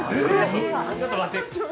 ◆ちょっと待って。